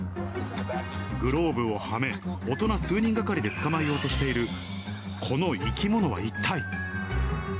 グローブをはめ、大人数人がかりで捕まえようとしている、この生き物は一体。